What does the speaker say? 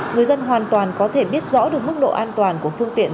người dân hoàn toàn có thể biết rõ được mức độ an toàn của phương tiện